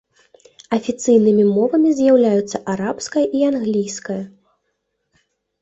Афіцыйнымі мовамі з'яўляюцца арабская і англійская.